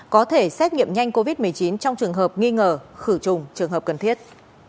có thể xét nghiệm nhanh covid một mươi chín trong trường hợp nghi ngờ khử trùng trường hợp cần thiết